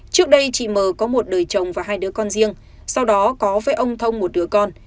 trước đây chị m có một đời chồng và hai đứa con riêng sau đó có với ông thông một đứa con